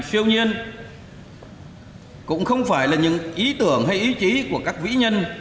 tuy nhiên cũng không phải là những ý tưởng hay ý chí của các vĩ nhân